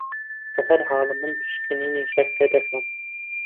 بە هەرحاڵ من پشکنینی شەکرە دەکەم